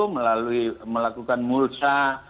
melalui melakukan mulsa